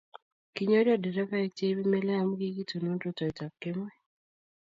Kinyorio derevaik che ibei mile amu kikitonon rutoiteb kemou